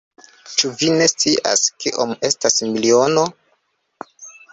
Ĉu vi ne scias, kiom estas miliono?